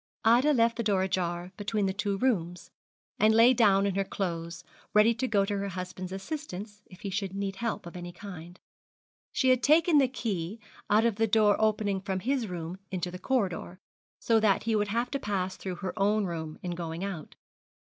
Ida left the door ajar between the two rooms, and lay down in her clothes, ready to go to her husband's assistance if he should need help of any kind. She had taken the key out of the door opening from his room into the corridor, so that he would have to pass through her own room in going out.